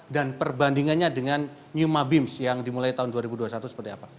dan perbandingannya dengan yuma bims yang dimulai tahun dua ribu dua puluh satu seperti apa